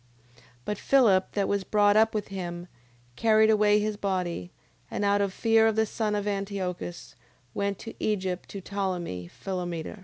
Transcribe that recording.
9:29. But Philip, that was brought up with him, carried away his body: and out of fear of the son of Antiochus, went into Egypt to Ptolemee Philometor.